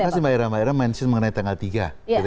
terima kasih mbak hera mbak hera mention mengenai tanggal tiga